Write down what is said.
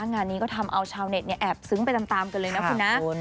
งานนี้ก็ทำเอาชาวเน็ตแอบซึ้งไปตามกันเลยนะคุณนะ